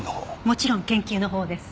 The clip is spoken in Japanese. もちろん研究のほうです。